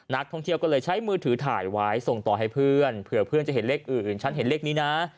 นักท่องเที่ยวก็เลยใช้มือถือถ่ายไว้ส่งต่อให้เพื่อนเผื่อเพื่อนจะเห็นเลขอื่นฉันเห็นเลขนี้นะ